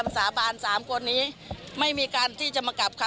สาโชค